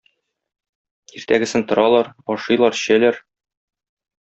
Иртәгесен торалар, ашыйлар-эчәләр.